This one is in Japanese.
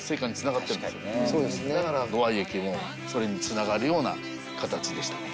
土合駅もそれに繋がるような形でしたね。